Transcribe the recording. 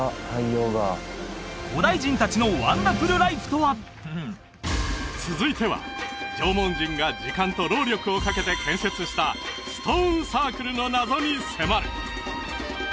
古代人達のワンダフルライフとは続いては縄文人が時間と労力をかけて建設したストーンサークルの謎に迫る